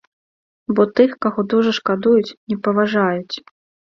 Бо тых, каго дужа шкадуюць, не паважаюць.